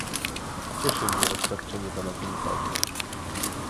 Cieszy mnie oświadczenie pana komisarza